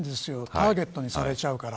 ターゲットにされちゃうから。